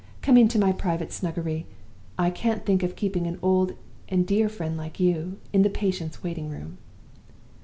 Come into my private snuggery I can't think of keeping an old and dear friend like you in the patients' waiting room.